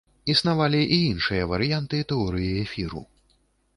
Існавалі і іншыя варыянты тэорыі эфіру.